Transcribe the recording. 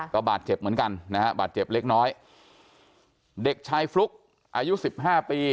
ก็บาดเจ็บเหมือนกันนะฮะบาดเจ็บเล็กน้อยเด็กชายฟลุ๊กอายุสิบห้าปี